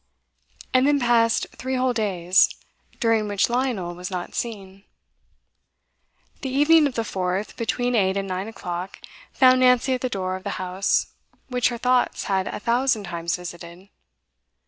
And then passed three whole days, during which Lionel was not seen. The evening of the fourth, between eight and nine o'clock, found Nancy at the door of the house which her thoughts had a thousand times visited.